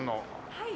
はい。